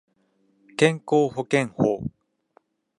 健康保険法